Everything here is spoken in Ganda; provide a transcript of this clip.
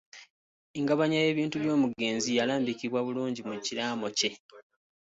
Engabanya y’ebintu by’omugenzi yalambikibwa bulungi mu kiraamo kye.